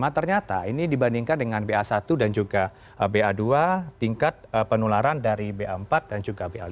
ternyata ini dibandingkan dengan ba satu dan juga ba dua tingkat penularan dari ba empat dan juga ba lima